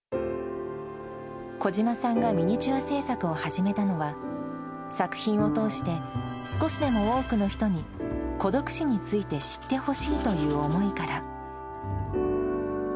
小島さんがミニチュア制作を始めたのは、作品を通して少しでも多くの人に孤独死について知ってほしいという思いから。